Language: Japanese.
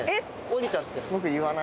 下りちゃってる。